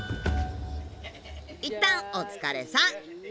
いったんお疲れさん！